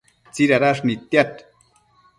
tsidadash nidtiad